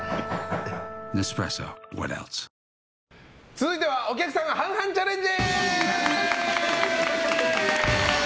続いてはお客さん半々チャレンジ！